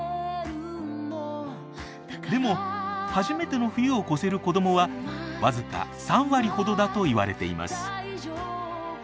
でも初めての冬を越せる子どもはわずか３割ほどだと言われています。